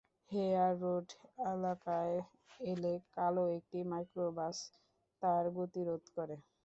Hair Road এলাকায় এলে কালো একটি মাইক্রোবাস তাঁর গতি রোধ করে।